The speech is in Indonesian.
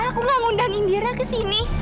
aku gak ngundangin dira kesini